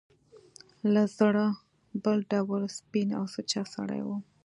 له زړه بل ډول سپین او سوچه سړی و.